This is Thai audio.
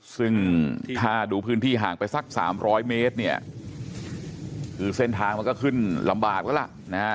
ซึ่งถ้าดูพื้นที่ห่างไปสัก๓๐๐เมตรเนี่ยคือเส้นทางมันก็ขึ้นลำบากแล้วล่ะนะฮะ